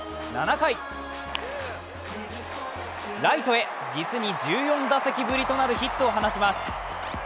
７回ライトへ、実に１４打席ぶりとなるヒットを放ちます。